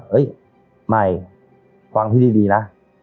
เอ๊ยไมค์ฟังดีนะ